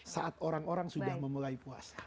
saat orang orang sudah memulai puasa